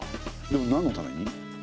でもなんのために？